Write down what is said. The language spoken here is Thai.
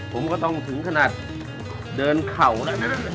ผมก็ต้องถึงขนาดเดินเข่าแล้วนะ